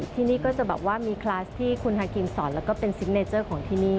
ที่นี่ก็จะมีคลาสที่คุณหากิมสอนแล้วก็เป็นสิ่งเนเจอร์กันที่นี่